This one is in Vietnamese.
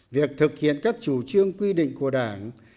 việc thực hiện các chủ trương quy định của đảng